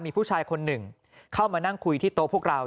มีผู้ชายคนหนึ่งเข้ามานั่งคุยที่โต๊ะพวกเรา